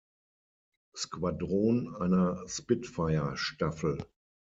Squadron", einer Spitfire-Staffel.